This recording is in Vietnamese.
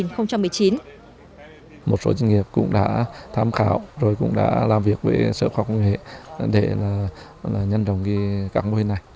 một số doanh nghiệp cũng đã tham khảo rồi cũng đã làm việc với sở khoa học công nghệ để nhân trồng các loài này